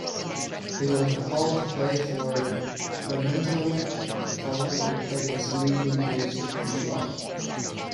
He was recalled to play for Fremantle the following week against league leaders Geelong.